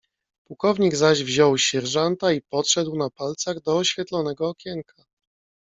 "Pułkownik zaś wziął sierżanta i podszedł na palcach do oświetlonego okienka."